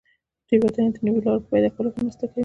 تېروتنې د نویو لارو په پیدا کولو کې مرسته کوي.